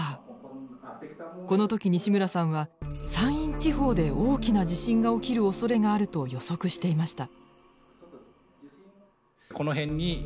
この時西村さんは山陰地方で大きな地震が起きるおそれがあると予測していました。